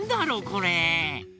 これ。